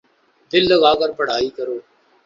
دل لگا کر پڑھائی کرو